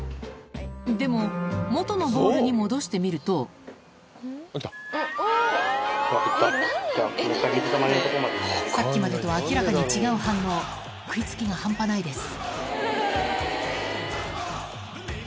でも元のボールに戻してみるとさっきまでとは明らかに違う反応食い付きが半端ないです